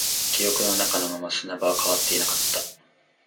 記憶の中のまま、砂場は変わっていなかった